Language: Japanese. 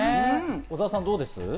小澤さん、どうです？